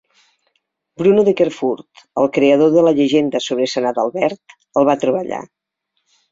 Bruno de Querfurt, el creador de la llegenda sobre Sant Adalbert, el va trobar allà.